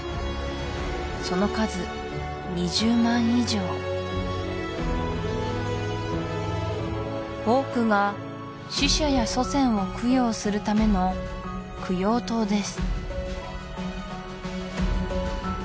その数２０万以上多くが死者や祖先を供養するための供養塔です